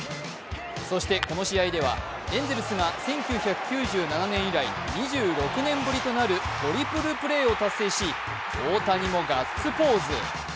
そしてこの試合ではエンゼルスが１９９７年以来２６年ぶりとなるトリプルプレーを達成し、大谷もガッツポーズ。